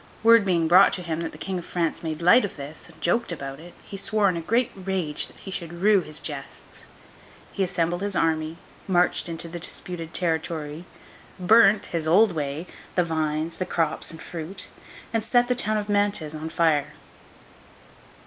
Word being brought to him that the King of France made light of this, and joked about it, he swore in a great rage that he should rue his jests. He assembled his army, marched into the disputed territory, burnt—his old way!—the vines, the crops, and fruit, and set the town of Mantes on fire.